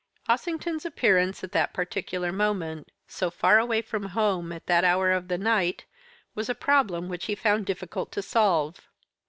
Ossington's appearance at that particular moment, so far away from home at that hour of the night, was a problem which he found it difficult to solve.